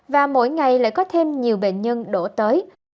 và mỗi ngày lại có thêm nhiều bệnh nhân đổ tới